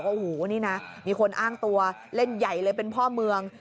โอ้โหนี่นะมีคนอ้างตัวเล่นใหญ่เลยเป็นพ่อเมือง